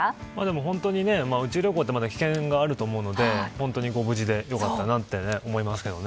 本当に宇宙旅行ってまだ危険があると思うので無事で良かったなと思いますけどね。